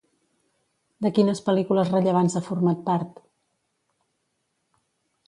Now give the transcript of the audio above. De quines pel·lícules rellevants ha format part?